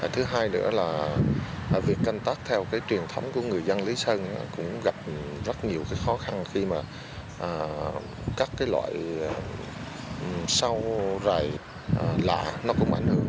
thứ hai nữa là việc canh tác theo truyền thống của người dân lý sơn cũng gặp rất nhiều khó khăn khi mà các loại sâu rải lạ cũng ảnh hưởng